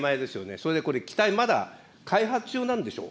それでこれ、機体、まだ開発中なんでしょう。